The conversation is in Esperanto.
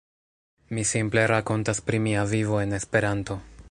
Mi simple rakontas pri mia vivo en Esperanto.